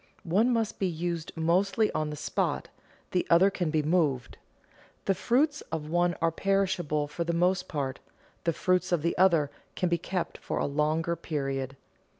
One must be used mostly on the spot, the other can be moved. The fruits of one are perishable for the most part; the fruits of the other can be kept for a longer period.